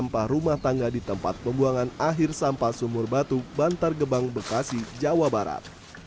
sampah rumah tangga di tempat pembuangan akhir sampah sumur batu bantar gebang bekasi jawa barat